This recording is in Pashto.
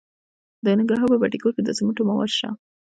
د ننګرهار په بټي کوټ کې د سمنټو مواد شته.